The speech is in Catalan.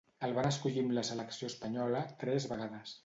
El van escollir amb la selecció espanyola tres vegades.